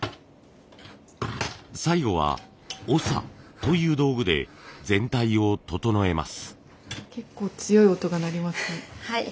最後は筬という道具で全体を整えます。